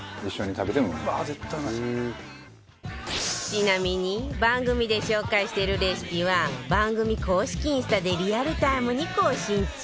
ちなみに番組で紹介してるレシピは番組公式インスタでリアルタイムに更新中